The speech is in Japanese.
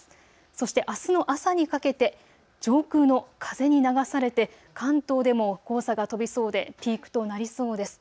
そしてあすの朝にかけて上空の風に流されて関東でも黄砂が飛びそうでピークとなりそうです。